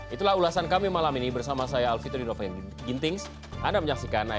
itulah ulasan kami malam ini bersama saya alfitri rinova gintings anda menyaksikan afd now